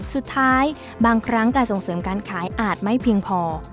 สุดท้ายบางครั้งการส่งเสริมการขายอาจไม่เพียงพอ